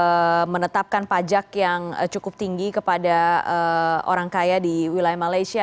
apakah anda yakin itu akan menetapkan pajak yang cukup tinggi kepada orang kaya di wilayah malaysia